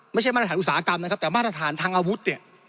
มาตรฐานอุตสาหกรรมนะครับแต่มาตรฐานทางอาวุธเนี่ย